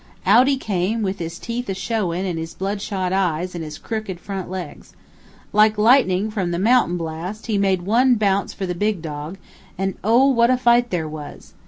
Out he came, with his teeth a showin', and his blood shot eyes, and his crooked front legs. Like lightnin' from the mount'in blast, he made one bounce for the big dog, and oh! what a fight there was!